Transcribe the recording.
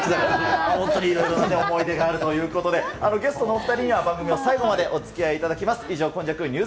本当にいろいろな思い出があるということで、ゲストのお２人には、番組の最後までおつきあいいただきます。